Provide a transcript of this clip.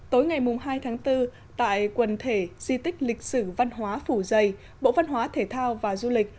tối ngày hai tháng bốn tại quần thể di tích lịch sử văn hóa phủ dây bộ văn hóa thể thao và du lịch